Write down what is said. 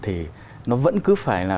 thì nó vẫn cứ phải là